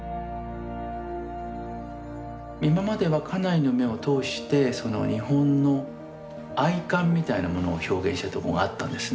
今までは家内の目を通してその日本の哀感みたいなものを表現してるとこがあったんですね。